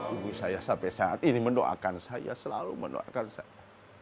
ibu saya sampai saat ini mendoakan saya selalu mendoakan saya